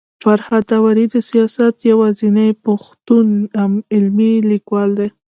فرهاد داوري د سياست يوازنی پښتون علمي ليکوال دی